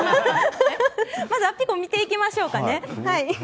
まず安比校、見ていきましょうかね。